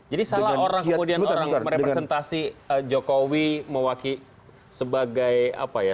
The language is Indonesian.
jadi salah orang kemudian orang merepresentasi jokowi mewaki sebagai apa ya